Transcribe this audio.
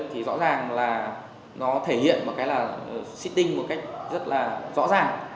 thì rõ ràng là nó thể hiện một cái là sitting một cách rất là rõ ràng